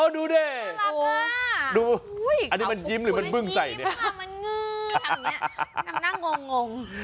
ดูได้ดูอันนี้มันยิ้มหรือมันเพิ่งใส่เนี่ยมันงื้อน่างงง